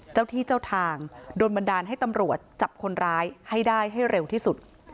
เจ้าที่เจ้าทางโดนบันดาลให้ตำรวจจับคนร้ายให้ได้ให้เร็วที่สุด